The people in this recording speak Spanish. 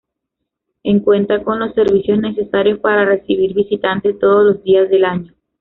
En cuenta con los servicios necesarios para recibir visitantes todos los días del año.